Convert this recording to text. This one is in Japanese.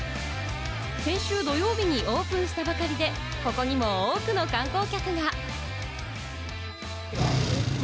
先週土曜日にオープンしたばかりで、ここにも多くの観光客が。